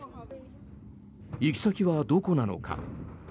行き先はどこなのか。